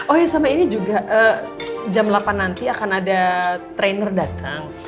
oh ya sama ini juga jam delapan nanti akan ada trainer datang